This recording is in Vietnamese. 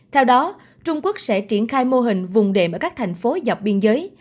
theo đó trung quốc sẽ triển khai mô hình vùng đệm ở các thành phố dọc biên giới